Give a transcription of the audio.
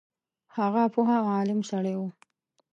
هغه پوه او عالم سړی وو.